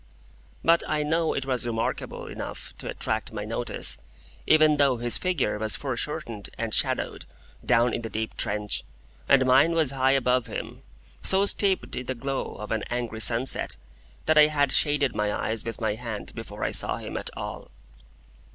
But I know it was remarkable enough to attract my notice, even though his figure was foreshortened and shadowed, down in the deep trench, and mine was high above him, so steeped in the glow of an angry sunset, that I had shaded my eyes with my hand before I saw him at all.